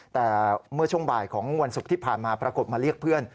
แต่เมื่อช่วงบ่ายของวันศุกร์ที่ผ่านมาปรากฏมาเรียกเพื่อน